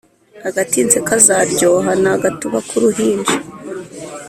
Agatinze kazaryoha ni agatuba k’uruhinja.